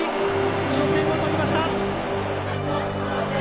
初戦を取りました。